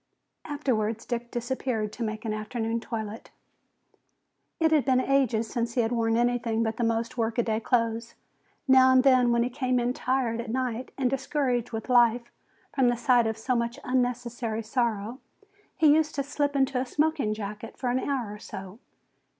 Afterwards Dick disappeared to make an afternoon toilet. It had been such ages since he had worn anything but the most workaday clothes. Now and then when he came in tired at night and discouraged with life from the sight of so much unnecessary sorrow, he used to slip into a smoking jacket for an hour or so.